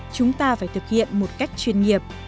chúng ta phải thực hiện một cách chuyên nghiệp